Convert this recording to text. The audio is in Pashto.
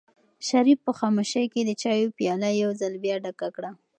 شریف په خاموشۍ کې د چایو پیاله یو ځل بیا ډکه کړه.